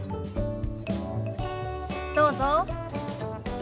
どうぞ。